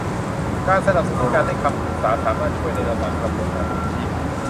การสนับสนุนการให้คำปรึกษาสามารถช่วยในระหว่างกระบวนการปลิดชีพ